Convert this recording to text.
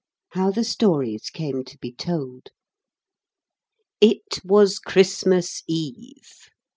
NOW THE STORIES CAME TO BE TOLD It was Christmas Eve!